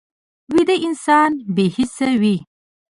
ویده انسان بې حسه وي